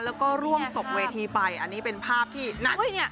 แล้วก็ร่วงตกเวทีไปอันนี้เป็นภาพที่นั่น